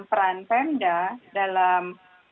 peran pemda dalam